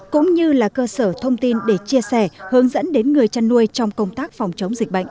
cũng như là cơ sở thông tin để chia sẻ hướng dẫn đến người chăn nuôi trong công tác phòng chống dịch bệnh